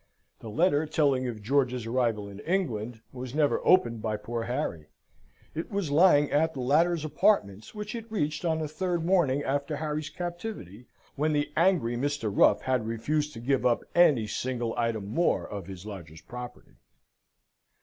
The letter telling of George's arrival in England was never opened by poor Harry; it was lying at the latter's apartments, which it reached on the third morning after Harry's captivity, when the angry Mr. Ruff had refused to give up any single item more of his lodger's property.